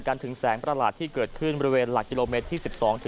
ถึงแสงประหลาดที่เกิดขึ้นบริเวณหลักกิโลเมตรที่๑๒